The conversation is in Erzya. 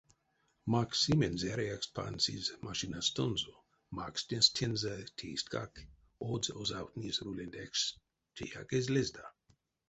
Максимень зярыяксть пансизь машинастонзо, макснесть тензэ тейстькак, одс озавтнизь руленть экшс — теяк эзь лезда.